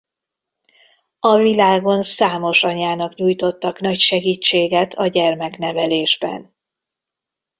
A világon számos anyának nyújtottak nagy segítséget a gyermeknevelésben.